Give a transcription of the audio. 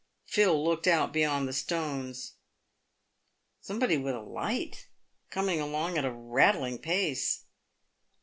Phil looked out beyond the stones. " Somebody with a light, coming along at a rattling pace."